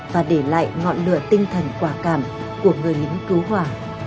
và để lại ngọn lửa tinh thần quả cảm của người lính cứu hỏa